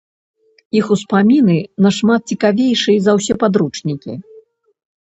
Іх успаміны нашмат цікавейшыя за ўсе падручнікі!